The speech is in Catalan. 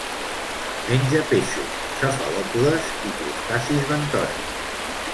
Menja peixos, cefalòpodes i crustacis bentònics.